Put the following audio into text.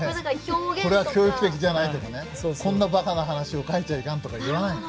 これは教育的じゃないとかねこんなバカな話を描いちゃいかんとか言わないの。